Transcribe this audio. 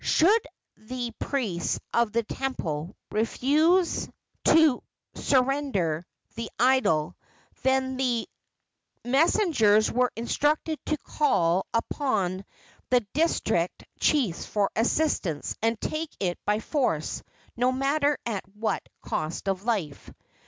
Should the priests of the temple refuse to surrender the idol, then the messengers were instructed to call upon the district chiefs for assistance, and take it by force, no matter at what cost of life.